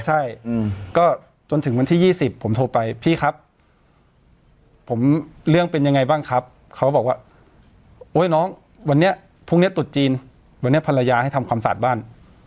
ใช่ก็จนถึงวันที่๒๐ผมโทรไปพี่ครับผมเรื่องเป็นยังไงบ้างครับเขาบอกว่าโอ๊ยน้องวันนี้พรุ่งนี้ตุดจีนวันนี้ภรรยาให้ทำความสะอาดบ้าน